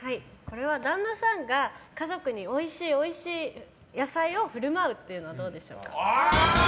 旦那さんが家族においしいおいしい野菜を振る舞うっていうのはどうでしょう。